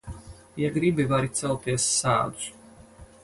Ja gribi, vari celties sēdus.